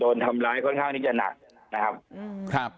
โดนทำร้ายค่อนข้างที่จะหนักนะครับอืมครับ